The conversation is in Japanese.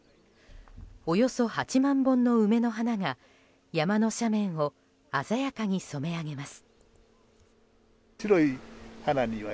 およそ８万本の梅の花が山の斜面を鮮やかに染め上げます。